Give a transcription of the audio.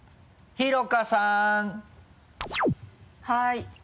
はい。